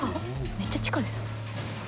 めっちゃ地下ですね。